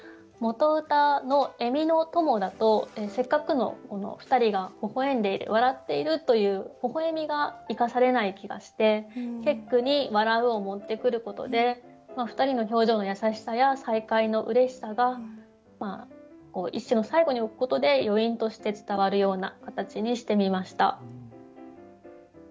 元歌の「笑みの友」だとせっかくのふたりがほほ笑んでいる笑っているというほほ笑みが生かされない気がして結句に「笑う」を持ってくることでふたりの表情の優しさや再会のうれしさが一首の最後に置くことで余韻として伝わるような形にしてみました。